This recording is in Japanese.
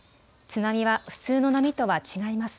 津波は普通の波とは違います。